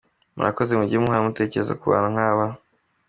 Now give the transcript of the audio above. Murakoze mujye muhora mutekereza ku bantu nk’aba.